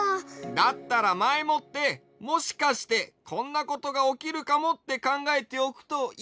だったらまえもってもしかしてこんなことがおきるかもってかんがえておくといいかもよ。